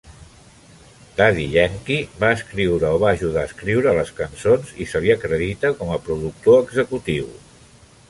Daddy Yankee va escriure o va ajudar a escriure les cançons, i se li acredita com a productor executiu.